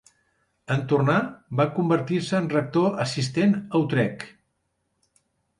En tornar, va convertir-se en rector assistent a Utrecht.